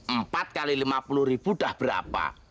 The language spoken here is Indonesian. empat x lima puluh ribu udah berapa